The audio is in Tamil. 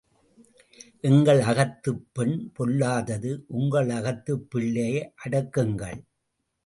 எங்கள் அகத்துப் பெண் பொல்லாதது உங்கள் அகத்துப் பிள்ளையை அடக்குங்கள்.